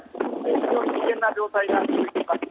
非常に危険な状態が続いています。